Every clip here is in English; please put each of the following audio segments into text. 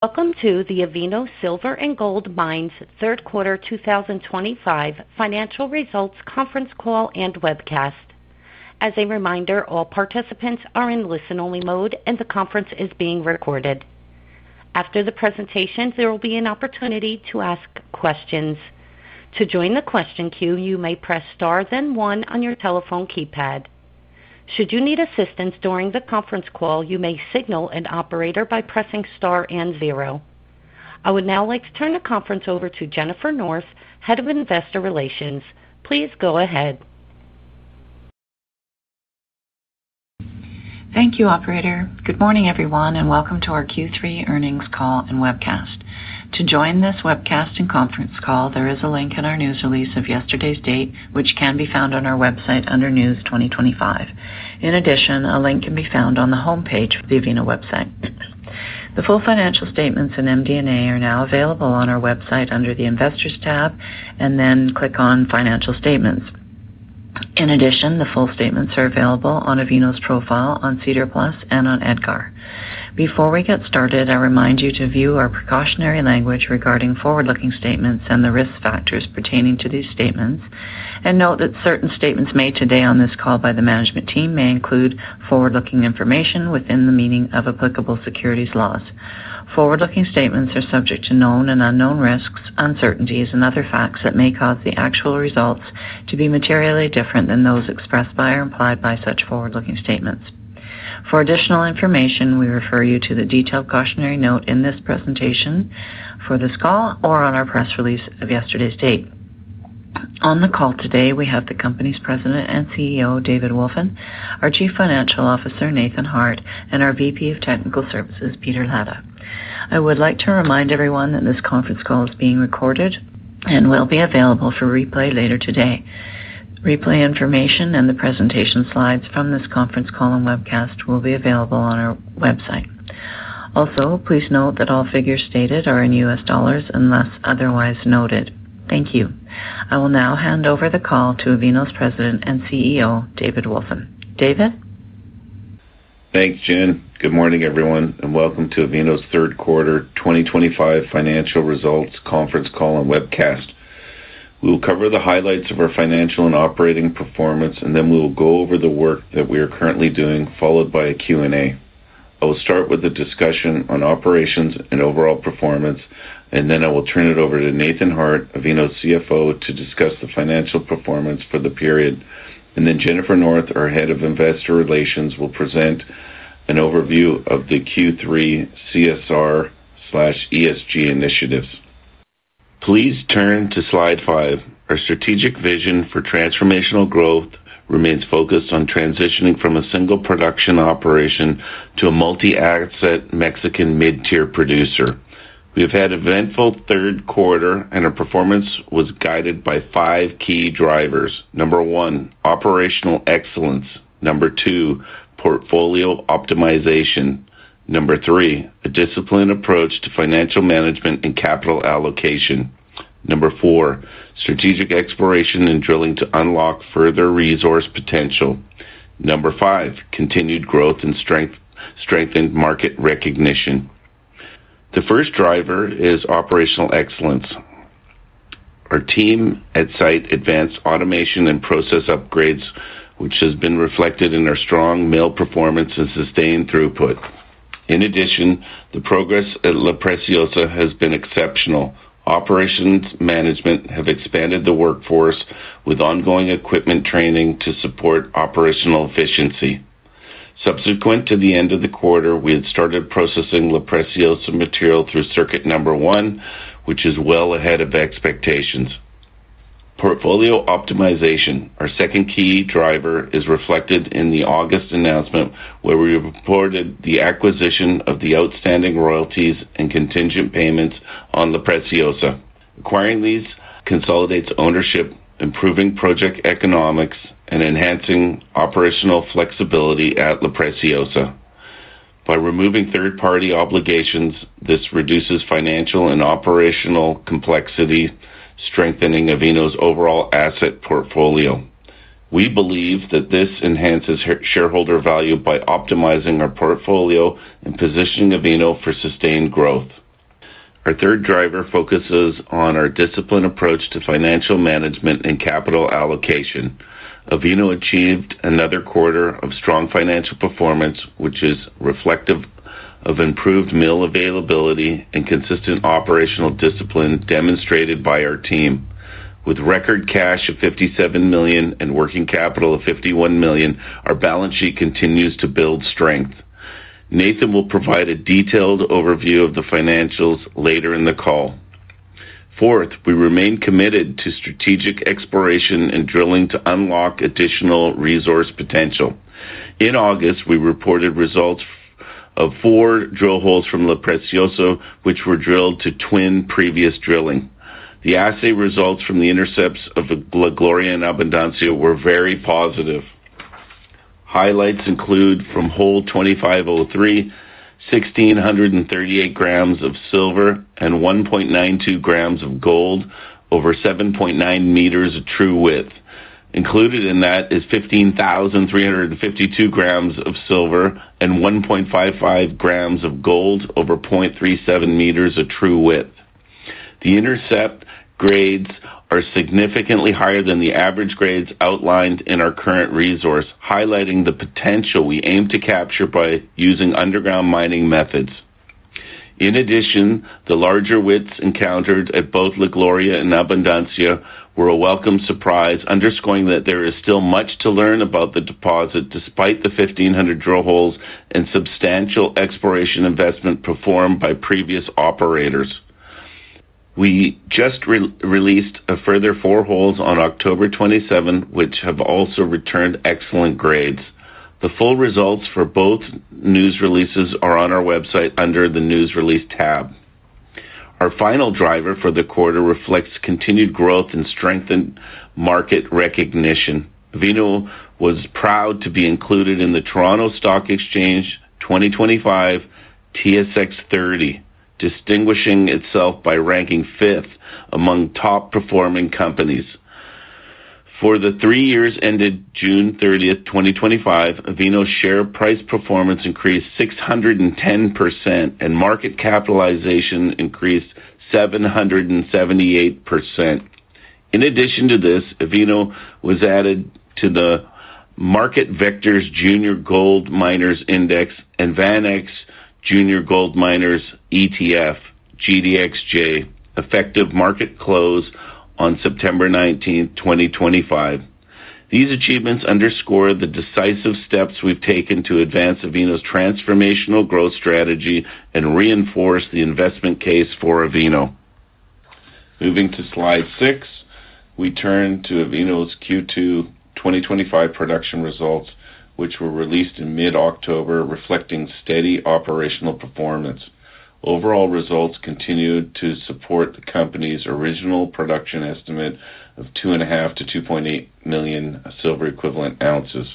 Welcome to the Avino Silver & Gold Mines Q3 2025 Financial Results Conference Call and Webcast. As a reminder, all participants are in listen-only mode, and the conference is being recorded. After the presentation, there will be an opportunity to ask questions. To join the question queue, you may press star then one on your telephone keypad. Should you need assistance during the conference call, you may signal an operator by pressing star and zero. I would now like to turn the conference over to Jennifer North, Head of Investor Relations. Please go ahead. Thank you, Operator. Good morning, everyone, and welcome to our Q3 earnings call and webcast. To join this webcast and conference call, there is a link in our news release of yesterday's date, which can be found on our website under News 2025. In addition, a link can be found on the homepage of the Avino website. The full financial statements and MD&A are now available on our website under the Investors tab, and then click on Financial Statements. In addition, the full statements are available on Avino's profile on SEDAR+ and on EDGAR. Before we get started, I remind you to view our precautionary language regarding forward-looking statements and the risk factors pertaining to these statements, and note that certain statements made today on this call by the management team may include forward-looking information within the meaning of applicable securities laws. Forward-looking statements are subject to known and unknown risks, uncertainties, and other facts that may cause the actual results to be materially different than those expressed by or implied by such forward-looking statements. For additional information, we refer you to the detailed cautionary note in this presentation for this call or on our press release of yesterday's date. On the call today, we have the company's President and CEO, David Wolfin, our Chief Financial Officer, Nathan Harte, and our VP of Technical Services, Peter Latta. I would like to remind everyone that this conference call is being recorded and will be available for replay later today. Replay information and the presentation slides from this conference call and webcast will be available on our website. Also, please note that all figures stated are in U.S. dollars unless otherwise noted. Thank you. I will now hand over the call to Avino's President and CEO, David Wolfin. David? Thanks, Jen. Good morning, everyone, and welcome to Avino's Q3 2025 Financial Results Conference Call and Webcast. We'll cover the highlights of our financial and operating performance, and then we'll go over the work that we are currently doing, followed by a Q&A. I will start with a discussion on operations and overall performance, and then I will turn it over to Nathan Harte, Avino's CFO, to discuss the financial performance for the period, and then Jennifer North, our Head of Investor Relations, will present an overview of the Q3 CSR/ESG initiatives. Please turn to slide five. Our strategic vision for transformational growth remains focused on transitioning from a single production operation to a multi-asset Mexican mid-tier producer. We have had an eventful Q3, and our performance was guided by five key drivers. Number one, operational excellence. Number two, portfolio optimization. Number three, a disciplined approach to financial management and capital allocation. Number four, strategic exploration and drilling to unlock further resource potential. Number five, continued growth and strengthened market recognition. The first driver is operational excellence. Our team at site advanced automation and process upgrades, which has been reflected in our strong mill performance and sustained throughput. In addition, the progress at La Preciosa has been exceptional. Operations management have expanded the workforce with ongoing equipment training to support operational efficiency. Subsequent to the end of the quarter, we had started processing La Preciosa material through Circuit1, which is well ahead of expectations. Portfolio optimization, our second key driver, is reflected in the August announcement where we reported the acquisition of the outstanding royalties and contingent payments on La Preciosa. Acquiring these consolidates ownership, improving project economics, and enhancing operational flexibility at La Preciosa. By removing third-party obligations, this reduces financial and operational complexity, strengthening Avino's overall asset portfolio. We believe that this enhances shareholder value by optimizing our portfolio and positioning Avino for sustained growth. Our third driver focuses on our disciplined approach to financial management and capital allocation. Avino achieved another quarter of strong financial performance, which is reflective of improved mill availability and consistent operational discipline demonstrated by our team. With record cash of $57 million and working capital of $51 million, our balance sheet continues to build strength. Nathan will provide a detailed overview of the financials later in the call. Fourth, we remain committed to strategic exploration and drilling to unlock additional resource potential. In August, we reported results of four drill holes from La Preciosa, which were drilled to twin previous drilling. The assay results from the intercepts of the La Gloria and Abundancia were very positive. Highlights include from hole 2503, 1,638 g of silver and 1.92 g of gold over 7.9 m of true width. Included in that is 15,352 g of silver and 1.55 g of gold over 0.37 m of true width. The intercept grades are significantly higher than the average grades outlined in our current resource, highlighting the potential we aim to capture by using underground mining methods. In addition, the larger widths encountered at both La Gloria and Abundancia were a welcome surprise, underscoring that there is still much to learn about the deposit despite the 1,500 drill holes and substantial exploration investment performed by previous operators. We just released a further four holes on October 27, which have also returned excellent grades. The full results for both news releases are on our website under the News Release tab. Our final driver for the quarter reflects continued growth and strengthened market recognition. Avino was proud to be included in the Toronto Stock Exchange 2025 TSX 30, distinguishing itself by ranking fifth among top-performing companies. For the three years ended June 30, 2025, Avino's share price performance increased 610% and market capitalization increased 778%. In addition to this, Avino was added to the Market Vectors Junior Gold Miners Index and VanEck's Junior Gold Miners ETF, GDXJ, effective market close on September 19, 2025. These achievements underscore the decisive steps we've taken to advance Avino's transformational growth strategy and reinforce the investment case for Avino. Moving to slide six, we turn to Avino's Q2 2025 production results, which were released in mid-October, reflecting steady operational performance. Overall results continued to support the company's original production estimate of 2.5-2.8 million silver equivalent ounces.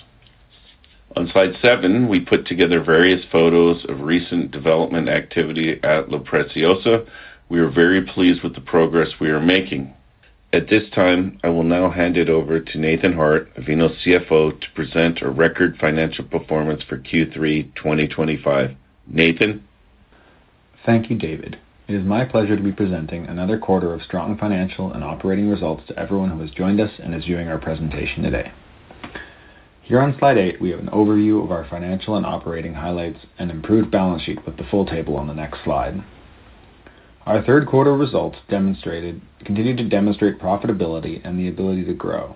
On slide seven, we put together various photos of recent development activity at La Preciosa. We are very pleased with the progress we are making. At this time, I will now hand it over to Nathan Harte, Avino's CFO, to present our record financial performance for Q3 2025. Nathan? Thank you, David. It is my pleasure to be presenting another quarter of strong financial and operating results to everyone who has joined us and is viewing our presentation today. Here on slide eight, we have an overview of our financial and operating highlights and improved balance sheet with the full table on the next slide. Our Q3 results continued to demonstrate profitability and the ability to grow.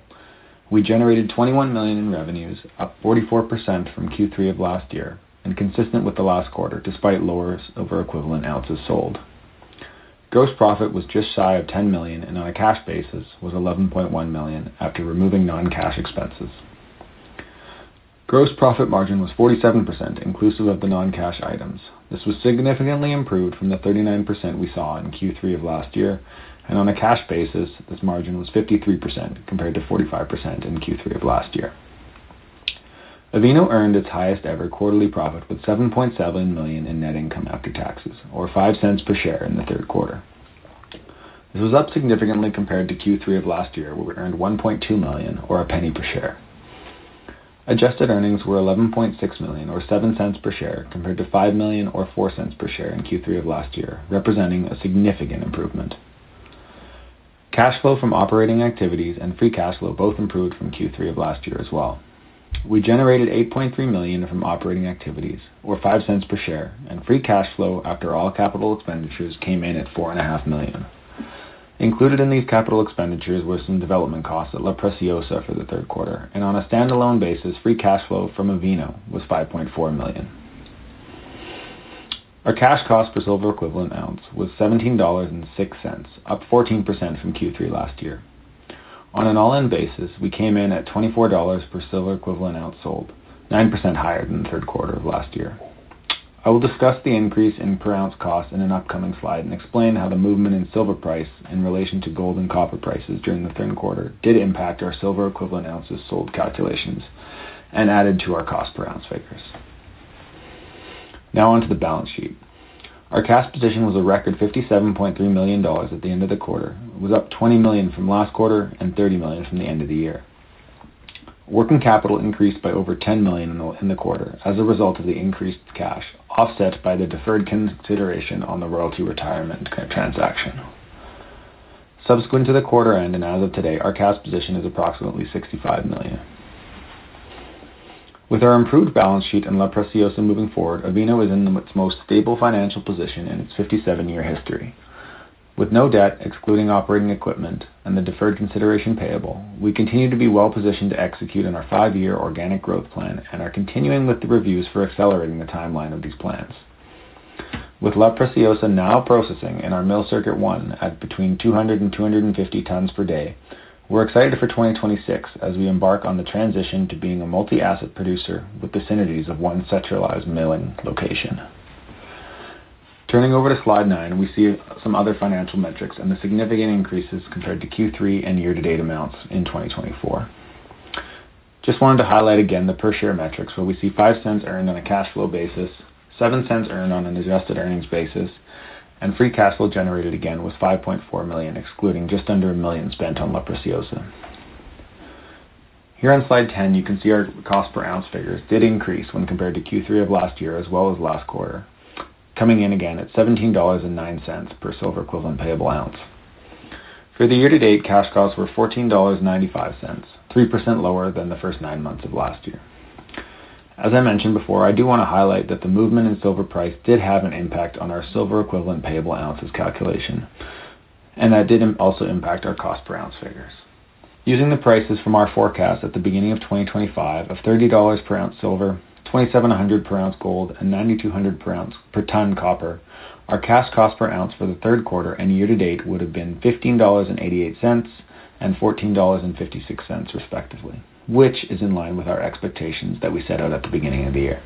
We generated $21 million in revenues, up 44% from Q3 of last year, and consistent with the last quarter, despite lower sales of our silver equivalent ounces sold. Gross profit was just shy of $10 million, and on a cash basis, was $11.1 million after removing non-cash expenses. Gross profit margin was 47%, inclusive of the non-cash items. This was significantly improved from the 39% we saw in Q3 of last year, and on a cash basis, this margin was 53% compared to 45% in Q3 of last year. Avino earned its highest-ever quarterly profit with $7.7 million in net income after taxes, or $0.05 per share in the third quarter. This was up significantly compared to Q3 of last year, where we earned $1.2 million, or $0.01 per share. Adjusted earnings were $11.6 million, or $0.07 per share, compared to $5 million or $0.04 per share in Q3 of last year, representing a significant improvement. Cash flow from operating activities and free cash flow both improved from Q3 of last year as well. We generated $8.3 million from operating activities, or $0.05 per share, and free cash flow after all capital expenditures came in at $4.5 million. Included in these capital expenditures were some development costs at La Preciosa for the third quarter, and on a standalone basis, free cash flow from Avino was $5.4 million. Our cash cost per silver equivalent ounce was $17.06, up 14% from Q3 last year. On an all-in basis, we came in at $24 per silver equivalent ounce sold, 9% higher than the third quarter of last year. I will discuss the increase in per ounce cost in an upcoming slide and explain how the movement in silver price in relation to gold and copper prices during the third quarter did impact our silver equivalent ounces sold calculations and added to our cost per ounce figures. Now onto the balance sheet. Our cash position was a record $57.3 million at the end of the quarter, with up $20 million from last quarter and $30 million from the end of the year. Working capital increased by over $10 million in the quarter as a result of the increased cash, offset by the deferred consideration on the royalty retirement transaction. Subsequent to the quarter end and as of today, our cash position is approximately $65 million. With our improved balance sheet and La Preciosa moving forward, Avino is in its most stable financial position in its 57-year history. With no debt, excluding operating equipment, and the deferred consideration payable, we continue to be well-positioned to execute on our five-year organic growth plan and are continuing with the reviews for accelerating the timeline of these plans. With La Preciosa now processing in our mill Circuit 1 at between 200 and 250 tons per day, we're excited for 2026 as we embark on the transition to being a multi-asset producer with the synergies of one centralized milling location. Turning over to slide nine, we see some other financial metrics and the significant increases compared to Q3 and year-to-date amounts in 2024. Just wanted to highlight again the per-share metrics, where we see $0.05 earned on a cash flow basis, $0.07 earned on an adjusted earnings basis, and free cash flow generated again was $5.4 million, excluding just under a million spent on La Preciosa. Here on slide 10, you can see our cost per ounce figures did increase when compared to Q3 of last year as well as last quarter, coming in again at $17.09 per silver equivalent payable ounce. For the year-to-date, cash costs were $14.95, 3% lower than the first nine months of last year. As I mentioned before, I do want to highlight that the movement in silver price did have an impact on our silver equivalent payable ounces calculation, and that did also impact our cost per ounce figures. Using the prices from our forecast at the beginning of 2025 of $30 per ounce silver, $2,700 per ounce gold, and $9,200 per ounce per ton copper, our cash cost per ounce for the third quarter and year-to-date would have been $15.88 and $14.56 respectively, which is in line with our expectations that we set out at the beginning of the year.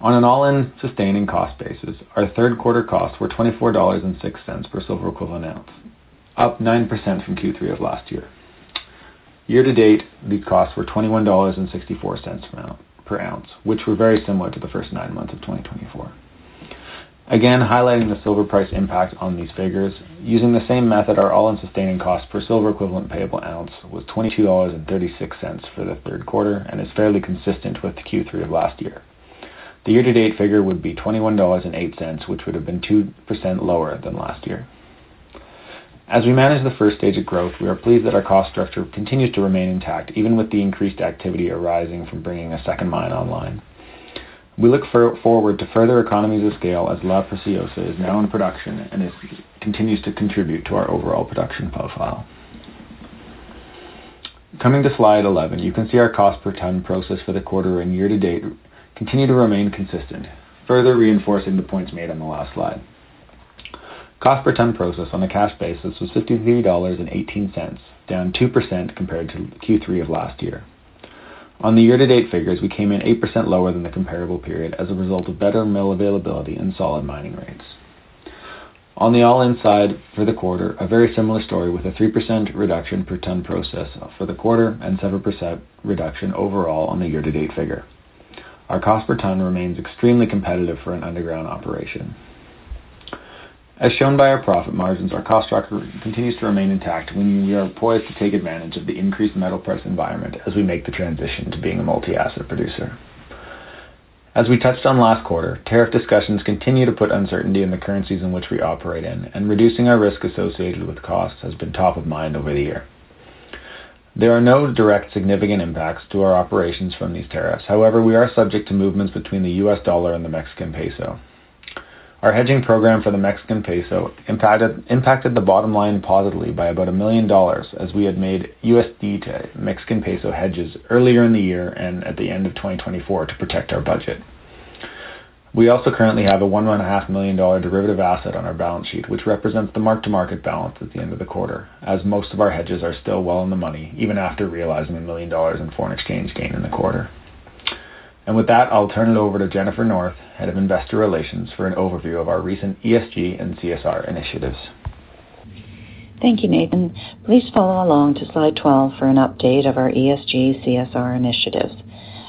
On an all-in sustaining cost basis, our third quarter costs were $24.06 per silver equivalent ounce, up 9% from Q3 of last year. Year-to-date, these costs were $21.64 per ounce, which were very similar to the first nine months of 2024. Again, highlighting the silver price impact on these figures, using the same method, our all-in sustaining cost per silver equivalent payable ounce was $22.36 for the third quarter and is fairly consistent with Q3 of last year. The year-to-date figure would be $21.08, which would have been 2% lower than last year. As we manage the first stage of growth, we are pleased that our cost structure continues to remain intact even with the increased activity arising from bringing a second mine online. We look forward to further economies of scale as La Preciosa is now in production and continues to contribute to our overall production profile. Coming to slide 11, you can see our cost per ton process for the quarter and year-to-date continue to remain consistent, further reinforcing the points made on the last slide. Cost per ton process on a cash basis was $53.18, down 2% compared to Q3 of last year. On the year-to-date figures, we came in 8% lower than the comparable period as a result of better mill availability and solid mining rates. On the all-in side for the quarter, a very similar story with a 3% reduction per ton process for the quarter and 7% reduction overall on the year-to-date figure. Our cost per ton remains extremely competitive for an underground operation. As shown by our profit margins, our cost structure continues to remain intact, and we are poised to take advantage of the increased metal price environment as we make the transition to being a multi-asset producer. As we touched on last quarter, tariff discussions continue to put uncertainty in the currencies in which we operate in, and reducing our risk associated with costs has been top of mind over the year. There are no direct significant impacts to our operations from these tariffs. However, we are subject to movements between the U.S. dollar and the Mexican peso. Our hedging program for the Mexican peso impacted the bottom line positively by about $1 million as we had made USD and Mexican peso hedges earlier in the year and at the end of 2024 to protect our budget. We also currently have a $1.5 million derivative asset on our balance sheet, which represents the mark-to-market balance at the end of the quarter, as most of our hedges are still well in the money, even after realizing $1 million in foreign exchange gain in the quarter. With that, I'll turn it over to Jennifer North, Head of Investor Relations, for an overview of our recent ESG and CSR initiatives. Thank you, Nathan. Please follow along to slide 12 for an update of our ESG CSR initiatives.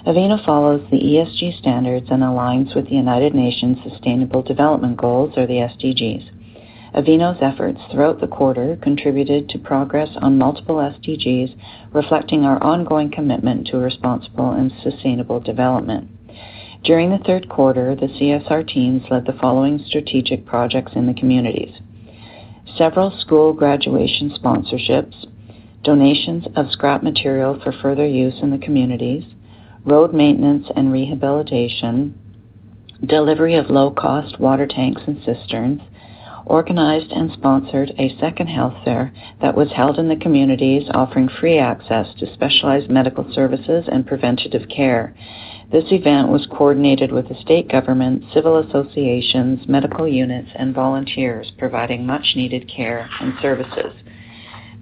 Avino follows the ESG standards and aligns with the United Nations Sustainable Development Goals, or the SDGs. Avino's efforts throughout the quarter contributed to progress on multiple SDGs, reflecting our ongoing commitment to responsible and sustainable development. During the third quarter, the CSR teams led the following strategic projects in the communities: several school graduation sponsorships, donations of scrap material for further use in the communities, road maintenance and rehabilitation, delivery of low-cost water tanks and cisterns, organized and sponsored a second health fair that was held in the communities, offering free access to specialized medical services and preventative care. This event was coordinated with the state government, civil associations, medical units, and volunteers, providing much-needed care and services.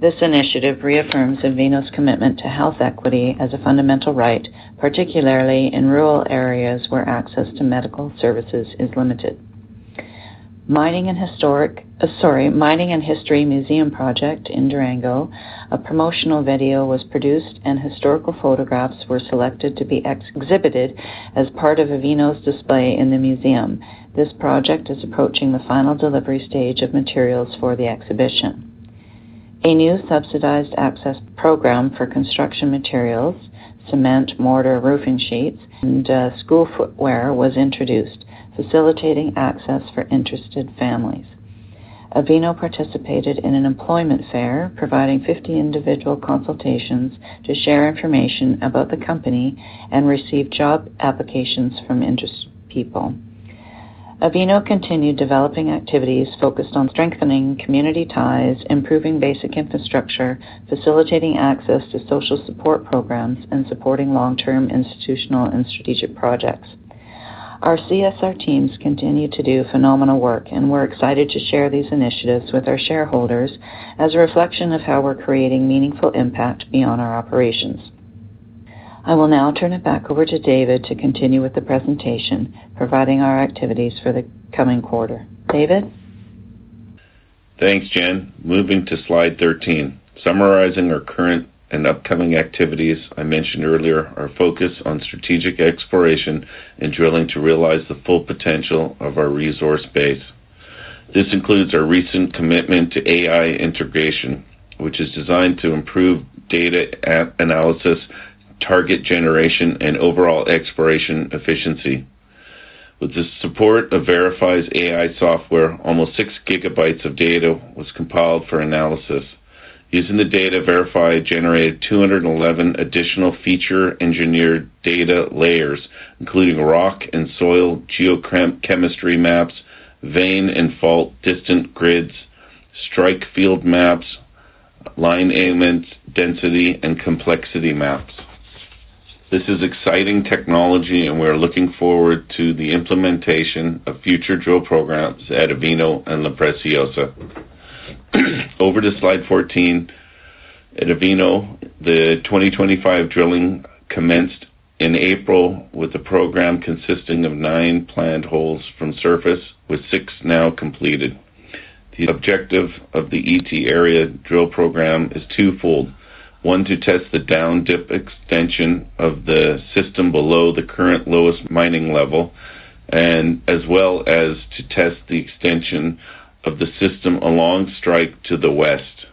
This initiative reaffirms Avino's commitment to health equity as a fundamental right, particularly in rural areas where access to medical services is limited. Mining and History Museum Project in Durango, a promotional video was produced and historical photographs were selected to be exhibited as part of Avino's display in the museum. This project is approaching the final delivery stage of materials for the exhibition. A new subsidized access program for construction materials, cement, mortar, roofing sheets, and school footwear was introduced, facilitating access for interested families. Avino participated in an employment fair, providing 50 individual consultations to share information about the company and received job applications from interested people. Avino continued developing activities focused on strengthening community ties, improving basic infrastructure, facilitating access to social support programs, and supporting long-term institutional and strategic projects. Our CSR teams continue to do phenomenal work, and we're excited to share these initiatives with our shareholders as a reflection of how we're creating meaningful impact beyond our operations. I will now turn it back over to David to continue with the presentation, providing our activities for the coming quarter. David? Thanks, Jen. Moving to slide 13, summarizing our current and upcoming activities I mentioned earlier, our focus on strategic exploration and drilling to realize the full potential of our resource base. This includes our recent commitment to AI integration, which is designed to improve data analysis, target generation, and overall exploration efficiency. With the support of VRIFY's AI software, almost six gigabytes of data was compiled for analysis. Using the data, VRIFY generated 211 additional feature-engineered data layers, including rock and soil geochemistry maps, vein and fault distance grids, strike field maps, lineament density, and complexity maps. This is exciting technology, and we're looking forward to the implementation of future drill programs at Avino and La Preciosa. Over to slide 14. At Avino, the 2025 drilling commenced in April with a program consisting of nine planned holes from surface, with six now completed. The objective of the ET area drill program is twofold: one, to test the down-dip extension of the system below the current lowest mining level, and as well as to test the extension of the system along strike to the west.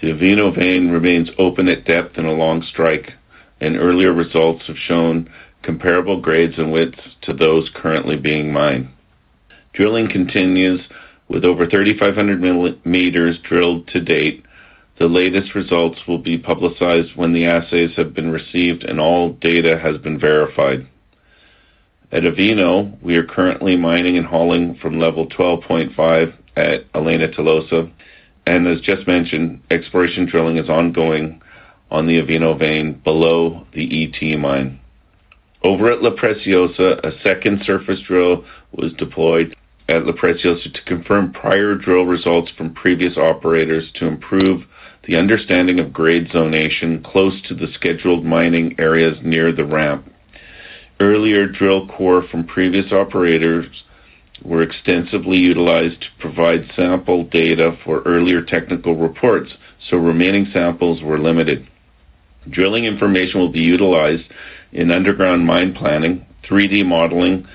The Avino vein remains open at depth and along strike, and earlier results have shown comparable grades and widths to those currently being mined. Drilling continues with over 3,500 m drilled to date. The latest results will be publicized when the assays have been received and all data has been verified. At Avino, we are currently mining and hauling from level 12.5 at Elena Tolosa, and as just mentioned, exploration drilling is ongoing on the Avino vein below the ET Mine. Over at La Preciosa, a second surface drill was deployed at La Preciosa to confirm prior drill results from previous operators to improve the understanding of grade zonation close to the scheduled mining areas near the ramp. Earlier drill core from previous operators were extensively utilized to provide sample data for earlier technical reports, so remaining samples were limited. Drilling information will be utilized in underground mine planning, 3D modeling,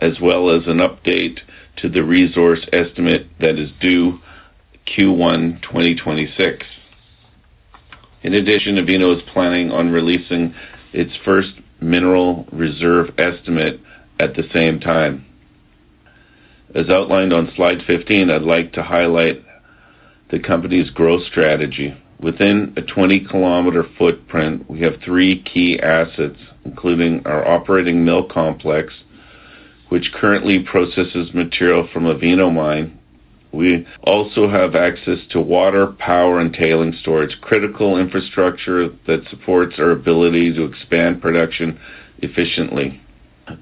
as well as an update to the resource estimate that is due Q1 2026. In addition, Avino is planning on releasing its first mineral reserve estimate at the same time. As outlined on slide 15, I'd like to highlight the company's growth strategy. Within a 20 km footprint, we have three key assets, including our operating mill complex, which currently processes material from Avino Mine. We also have access to water, power, and tailings storage, critical infrastructure that supports our ability to expand production efficiently.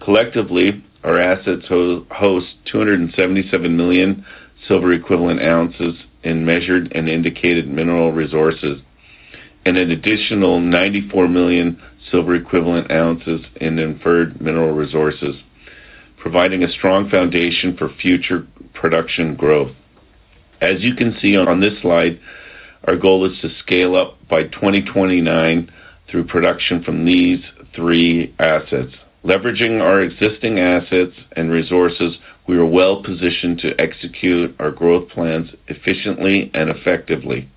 Collectively, our assets host 277 million silver equivalent ounces in measured and indicated mineral resources, and an additional 94 million silver equivalent ounces in inferred mineral resources, providing a strong foundation for future production growth. As you can see on this slide, our goal is to scale up by 2029 through production from these three assets. Leveraging our existing assets and resources, we are well positioned to execute our growth plans efficiently and effectively.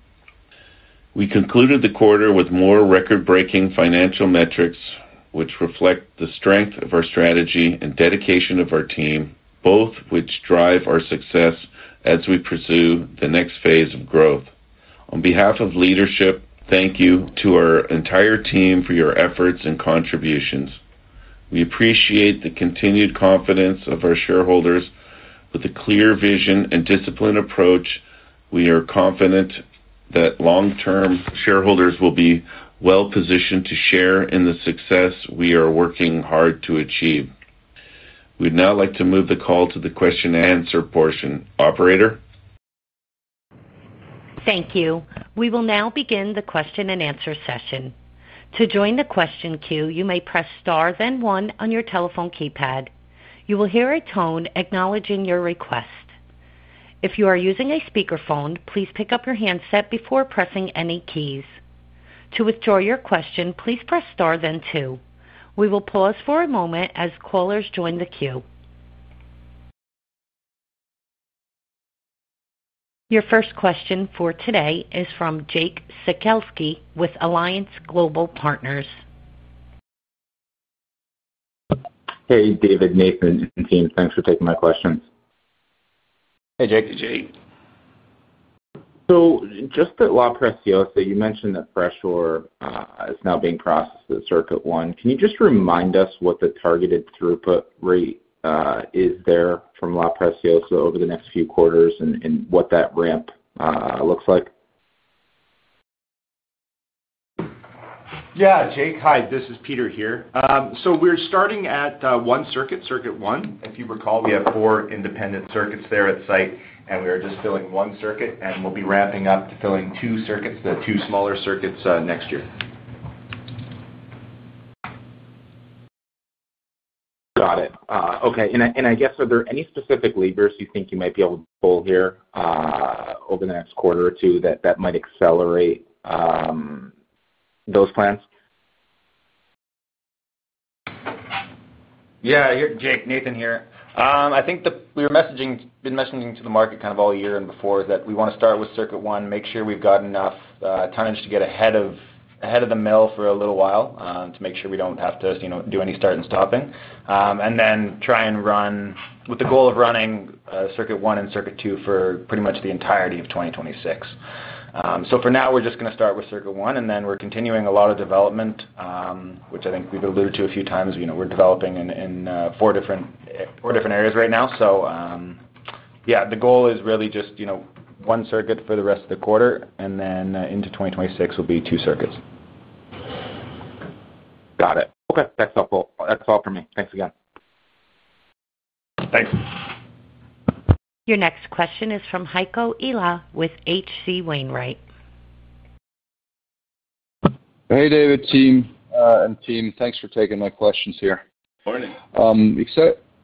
We concluded the quarter with more record-breaking financial metrics, which reflect the strength of our strategy and dedication of our team, both which drive our success as we pursue the next phase of growth. On behalf of leadership, thank you to our entire team for your efforts and contributions. We appreciate the continued confidence of our shareholders. With a clear vision and disciplined approach, we are confident that long-term shareholders will be well positioned to share in the success we are working hard to achieve. We'd now like to move the call to the question-and-answer portion. Operator? Thank you. We will now begin the question-and-answer session. To join the question queue, you may press star, then one on your telephone keypad. You will hear a tone acknowledging your request. If you are using a speakerphone, please pick up your handset before pressing any keys. To withdraw your question, please press star, then two. We will pause for a moment as callers join the queue. Your first question for today is from Jake Sekelsky with Alliance Global Partners. Hey, David, Nathan, and Jen, thanks for taking my questions. Hey, Jake. Hey, Jake. So just at La Preciosa, you mentioned that freshwater is now being processed at circuit one. Can you just remind us what the targeted throughput rate is there from La Preciosa over the next few quarters and what that ramp looks like? Yeah, Jake, hi, this is Peter here. So we're starting at one circuit, Circuit 1. If you recall, we have four independent circuits there at site, and we are just filling one circuit, and we'll be ramping up to filling two circuits, the two smaller circuits next year. Got it. Okay, and I guess, are there any specific levers you think you might be able to pull here over the next quarter or two that might accelerate those plans? Yeah, Jake, Nathan here. I think we've been messaging to the market kind of all year and before that we want to start with circuit one, make sure we've got enough time to get ahead of the mill for a little while to make sure we don't have to do any start and stopping, and then try and run with the goal of running circuit one and circuit two for pretty much the entirety of 2026. So for now, we're just going to start with circuit one, and then we're continuing a lot of development, which I think we've alluded to a few times. We're developing in four different areas right now. So yeah, the goal is really just one circuit for the rest of the quarter, and then into 2026, we'll be two circuits. Got it. Okay, that's helpful. That's all for me. Thanks again. Thanks. Your next question is from Heiko Ihle with H.C. Wainwright. Hey, David and team. Thanks for taking my questions here. Morning.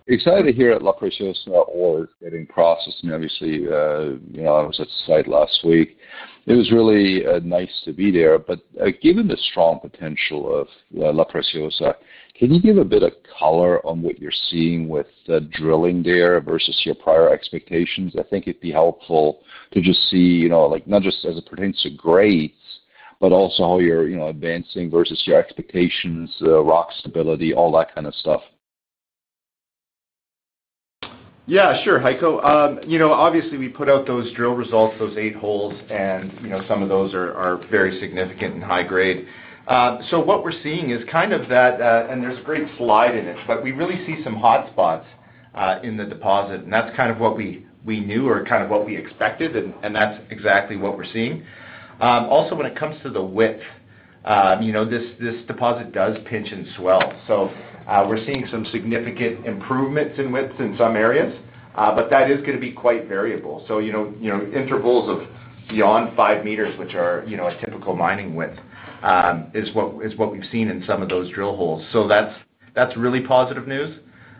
Excited to hear that La Preciosa ore is getting processed. And obviously, I was at the site last week. It was really nice to be there. But given the strong potential of La Preciosa, can you give a bit of color on what you're seeing with the drilling there versus your prior expectations? I think it'd be helpful to just see not just as it pertains to grades, but also how you're advancing versus your expectations, rock stability, all that kind of stuff. Yeah, sure, Heiko. Obviously, we put out those drill results, those eight holes, and some of those are very significant and high-grade. So what we're seeing is kind of that, and there's a great slide in it, but we really see some hotspots in the deposit, and that's kind of what we knew or kind of what we expected, and that's exactly what we're seeing. Also, when it comes to the width, this deposit does pinch and swell. So we're seeing some significant improvements in width in some areas, but that is going to be quite variable. So intervals of beyond five metres, which are a typical mining width, is what we've seen in some of those drill holes. So that's really positive news.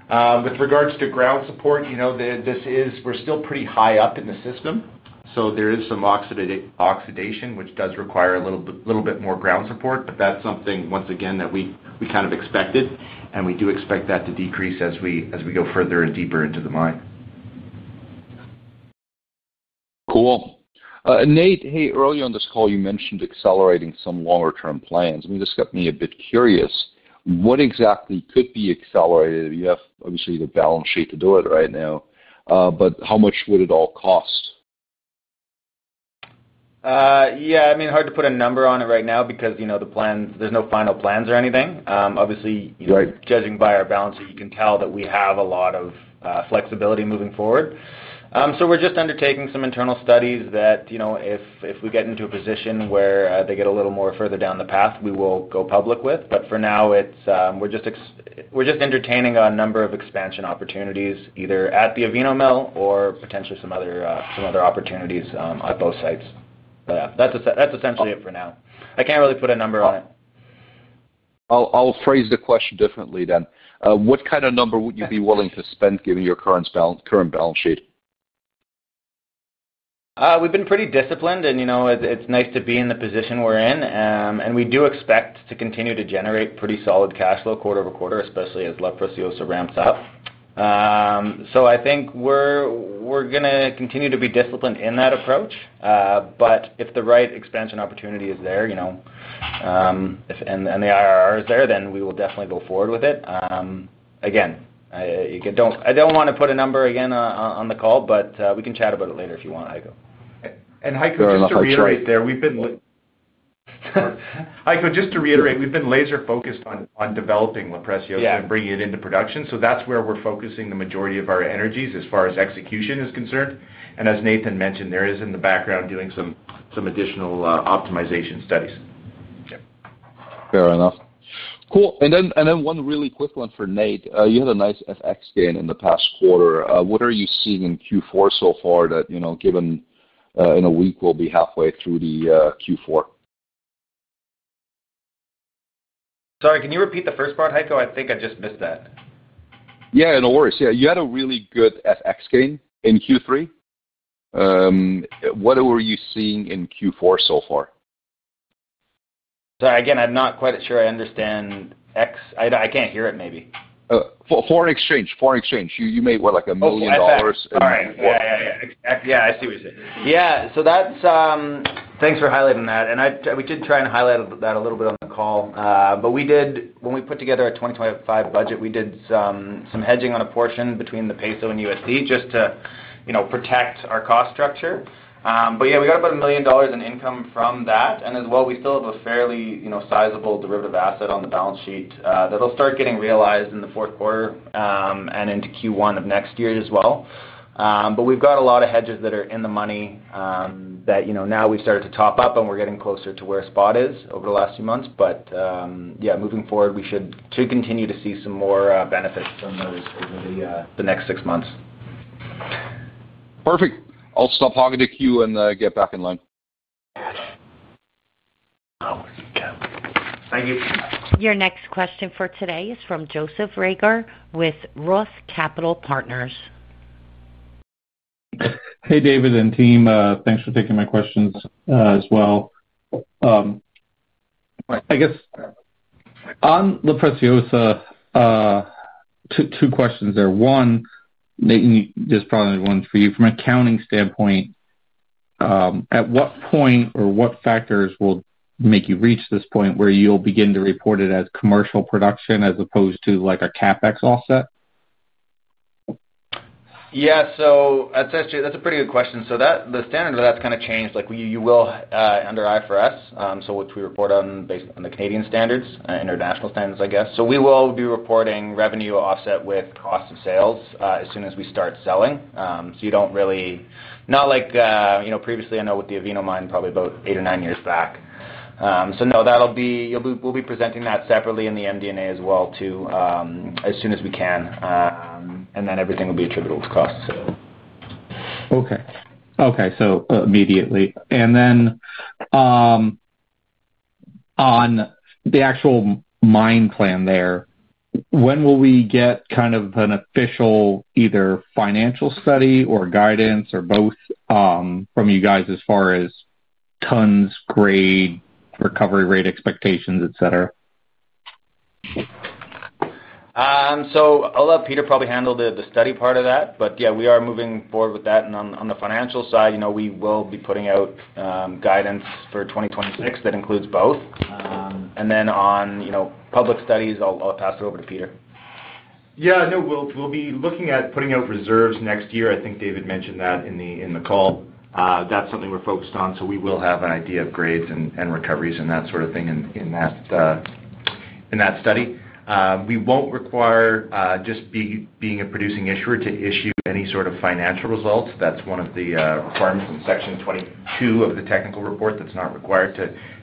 With regards to ground support, we're still pretty high up in the system. There is some oxidation, which does require a little bit more ground support, but that's something, once again, that we kind of expected, and we do expect that to decrease as we go further and deeper into the mine. Cool. Nate, earlier on this call, you mentioned accelerating some longer-term plans. I mean, this got me a bit curious. What exactly could be accelerated? You have, obviously, the balance sheet to do it right now, but how much would it all cost? Yeah, I mean, hard to put a number on it right now because there's no final plans or anything. Obviously, judging by our balance sheet, you can tell that we have a lot of flexibility moving forward. So we're just undertaking some internal studies that if we get into a position where they get a little more further down the path, we will go public with. But for now, we're just entertaining a number of expansion opportunities, either at the Avino mill or potentially some other opportunities at both sites. But yeah, that's essentially it for now. I can't really put a number on it. I'll phrase the question differently then. What kind of number would you be willing to spend given your current balance sheet? We've been pretty disciplined, and it's nice to be in the position we're in, and we do expect to continue to generate pretty solid cash flow quarter over quarter, especially as La Preciosa ramps up, so I think we're going to continue to be disciplined in that approach, but if the right expansion opportunity is there, and the IRR is there, then we will definitely go forward with it. Again, I don't want to put a number again on the call, but we can chat about it later if you want, Heiko. Heiko, just to reiterate there, we've been laser focused on developing La Preciosa and bringing it into production. That's where we're focusing the majority of our energies as far as execution is concerned. As Nathan mentioned, there is in the background doing some additional optimization studies. Fair enough. Cool. And then one really quick one for Nate. You had a nice FX gain in the past quarter. What are you seeing in Q4 so far, that given in a week we'll be halfway through the Q4? Sorry, can you repeat the first part, Heiko? I think I just missed that. Yeah, no worries. Yeah, you had a really good FX gain in Q3. What were you seeing in Q4 so far? Sorry, again, I'm not quite sure I understand X. I can't hear it maybe. Foreign exchange. You made what, like $1 million in? Sorry. Yeah, yeah, yeah. Yeah, I see what you're saying. Yeah. So thanks for highlighting that and we did try and highlight that a little bit on the call, but when we put together a 2025 budget, we did some hedging on a portion between the peso and USD just to protect our cost structure. But yeah, we got about $1 million in income from that and as well, we still have a fairly sizable derivative asset on the balance sheet that'll start getting realized in the fourth quarter and into Q1 of next year as well. But we've got a lot of hedges that are in the money that now we've started to top up, and we're getting closer to where spot is over the last few months. But yeah, moving forward, we should continue to see some more benefits from those over the next six months. Perfect. I'll stop hogging the queue and get back in line. Thank you. Your next question for today is from Joseph Reagor with ROTH Capital Partners. Hey, David and team. Thanks for taking my questions as well. I guess on La Preciosa, two questions there. One, this probably one's for you. From an accounting standpoint, at what point or what factors will make you reach this point where you'll begin to report it as commercial production as opposed to a CapEx offset? Yeah. So that's actually a pretty good question. So the standard of that's kind of changed. You will under IFRS, so which we report on based on the Canadian standards, international standards, I guess. So we will be reporting revenue offset with cost of sales as soon as we start selling. So you don't really not like previously, I know with the Avino Mine, probably about eight or nine years back. So no, that'll be we'll be presenting that separately in the MD&A as well too as soon as we can. And then everything will be attributable to cost, so. Okay. So immediately. And then on the actual mine plan there, when will we get kind of an official either financial study or guidance or both from you guys as far as tons, grade, recovery rate expectations, etc.? So, I'll let Peter probably handle the study part of that. But yeah, we are moving forward with that. And then on the financial side, we will be putting out guidance for 2026 that includes both. And then on public studies, I'll pass it over to Peter. Yeah. No, we'll be looking at putting out reserves next year. I think David mentioned that in the call. That's something we're focused on. So we will have an idea of grades and recoveries and that sort of thing in that study. We won't require just being a producing issuer to issue any sort of financial results. That's one of the items in Section 22 of the technical report that's not required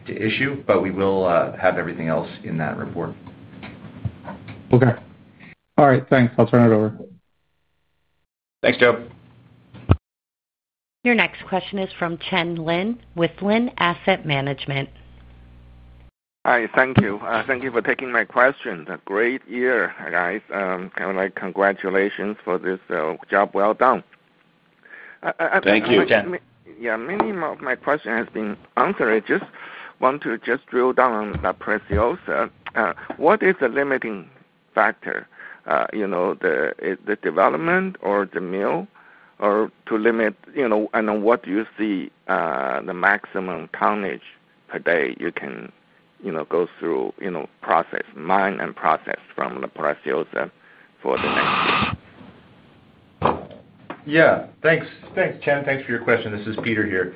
to issue, but we will have everything else in that report. Okay. All right. Thanks. I'll turn it over. Thanks, Joe. Your next question is from Chen Lin with Lin Asset Management. All right. Thank you. Thank you for taking my question. A great year, guys, and congratulations for this job well done. Thank you, Chen. Yeah. Many of my questions have been answered. I just want to just drill down on La Preciosa. What is the limiting factor? The development or the mill or to limit? And what do you see the maximum tonnage per day you can go through, mine and process from La Preciosa for the next year? Yeah. Thanks, Chen. Thanks for your question. This is Peter here,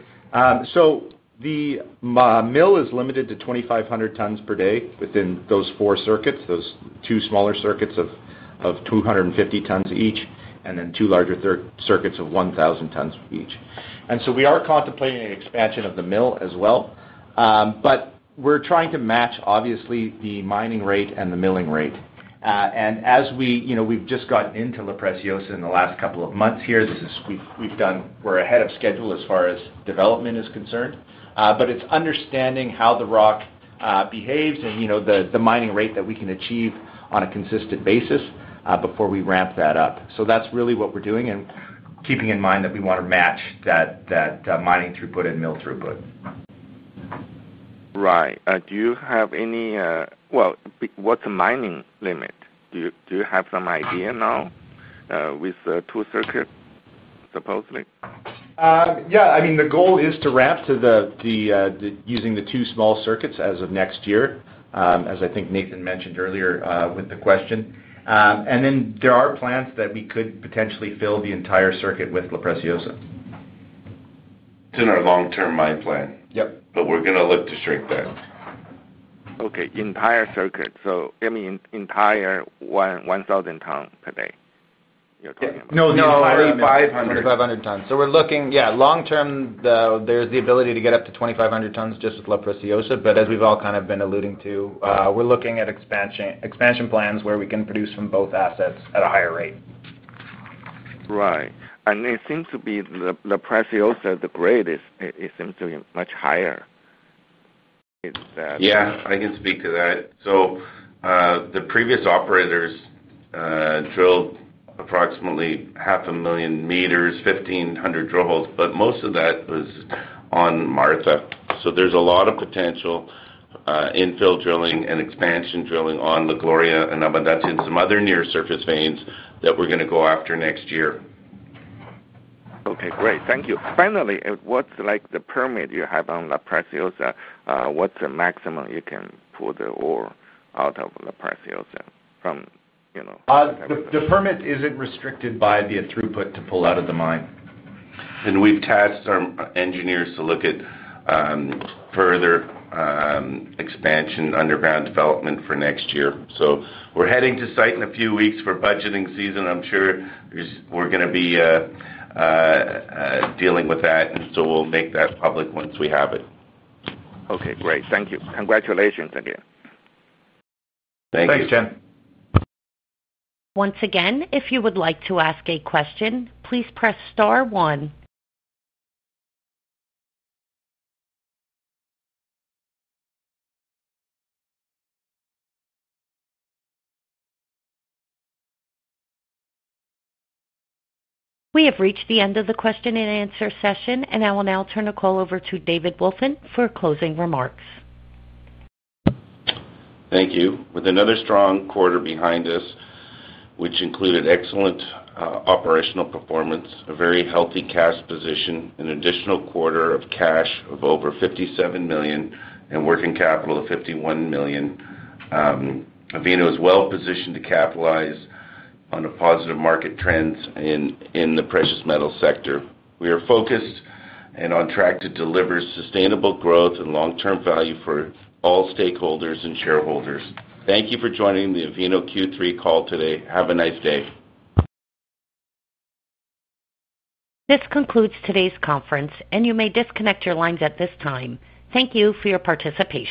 so the mill is limited to 2,500 tons per day within those four circuits, those two smaller circuits of 250 tons each, and then two larger circuits of 1,000 tons each, and so we are contemplating an expansion of the mill as well, but we're trying to match, obviously, the mining rate and the milling rate. And as we've just gotten into La Preciosa in the last couple of months here, we're ahead of schedule as far as development is concerned, but it's understanding how the rock behaves and the mining rate that we can achieve on a consistent basis before we ramp that up, so that's really what we're doing and keeping in mind that we want to match that mining throughput and mill throughput. Right. Do you have any, what's the mining limit? Do you have some idea now with two circuits, supposedly? Yeah. I mean, the goal is to ramp to using the two small circuits as of next year, as I think Nathan mentioned earlier with the question, and then there are plans that we could potentially fill the entire circuit with La Preciosa. It's in our long-term mine plan. Yep. But we're going to look to shrink that. Okay. Entire circuit. So I mean, entire 1,000 tons per day. No, no, 2,500 tons. So we're looking, yeah, long-term, there's the ability to get up to 2,500 tons just with La Preciosa. But as we've all kind of been alluding to, we're looking at expansion plans where we can produce from both assets at a higher rate. Right. And they seem to be La Preciosa, the grade, it seems to be much higher. Yeah. I can speak to that, so the previous operators drilled approximately 500,000 m 1,500 drill holes, but most of that was on Martha, so there's a lot of potential infill drilling and expansion drilling on La Gloria and Abundancia and some other near-surface veins that we're going to go after next year. Okay. Great. Thank you. Finally, what's the permit you have on La Preciosa? What's the maximum you can pull the ore out of La Preciosa from? The permit isn't restricted by the throughput to pull out of the mine, and we've tasked our engineers to look at further expansion, underground development for next year, so we're heading to site in a few weeks for budgeting season. I'm sure we're going to be dealing with that, and so we'll make that public once we have it. Okay. Great. Thank you. Congratulations again. Thanks. Thanks, Chen. Once again, if you would like to ask a question, please press star one. We have reached the end of the question and answer session, and I will now turn the call over to David Wolfin for closing remarks. Thank you. With another strong quarter behind us, which included excellent operational performance, a very healthy cash position, an additional quarter of cash of over $57 million, and working capital of $51 million, Avino is well positioned to capitalize on the positive market trends in the precious metal sector. We are focused and on track to deliver sustainable growth and long-term value for all stakeholders and shareholders. Thank you for joining the Avino Q3 call today. Have a nice day. This concludes today's conference, and you may disconnect your lines at this time. Thank you for your participation.